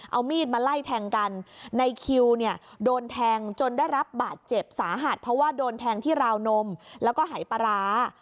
เอามีดมาไล่แทงกันในคิวเนี่ยโดนแทงจนได้รับบาดเจ็บสาหัสเพราะว่าโดนแทงที่ราวนมแล้วก็หายปลาร้า